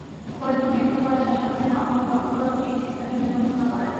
Faridpur medical college হাসপাতালে নেওয়া হলে কর্তব্যরত চিকিৎসক তাকে মৃত ঘোষণা করেন।